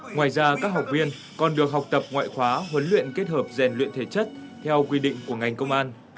ngoài ra các học viên còn được học tập ngoại khóa huấn luyện kết hợp rèn luyện thể chất theo quy định của ngành công an